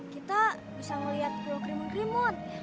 kita bisa melihat pulau krimun krimun